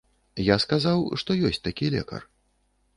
Я сказаў, што ёсць такі лекар.